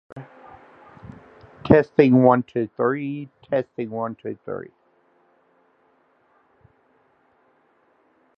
The unincorporated community of Utica is located within the town.